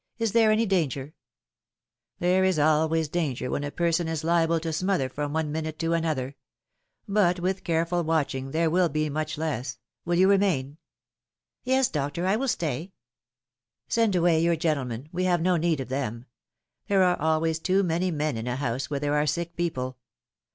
Is there any danger There is always danger when a person is liable to smother from one minute to another; but with careful watching there will be much less. Will you remain Yes, doctor, I will stay." ^^Send away your gentlemen ; we have no need of them. There are always too many men in a house where there are sick people.